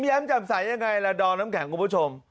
ก็จะใส่ยังไงละดองน้ำแข็งคุณผู้ชม